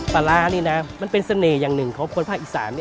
ปลาร้านี่นะมันเป็นเสน่ห์อย่างหนึ่งของคนภาคอีสาน